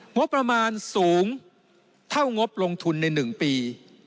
งบประมาณสูงเท่างบลงทุนใน๑ปี